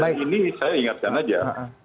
dan ini saya ingatkan saja